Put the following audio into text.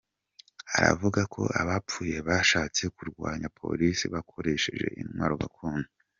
Aravuga ko abapfuye bashatse kurwanya polisi bakoresheje intwaro gakondo.